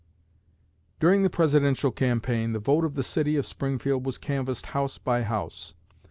During the Presidential campaign, the vote of the city of Springfield was canvassed house by house.